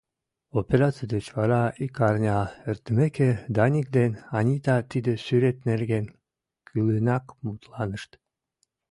Операций деч вара ик арня эртымеке, Даник ден Анита тиде сӱрет нерген кӱлынак мутланышт.